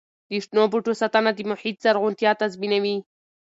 د شنو بوټو ساتنه د محیط زرغونتیا تضمینوي.